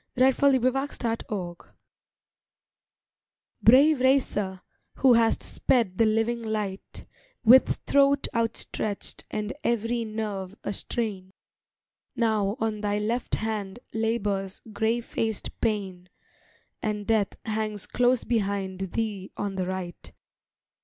SONNETS THE TORCH RACE Brave racer, who hast sped the living light With throat outstretched and every nerve a strain, Now on thy left hand labors gray faced Pain, And Death hangs close behind thee on the right.